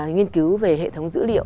nghiên cứu về hệ thống dữ liệu